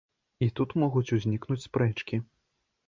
І тут могуць узнікнуць спрэчкі.